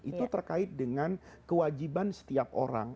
itu terkait dengan kewajiban setiap orang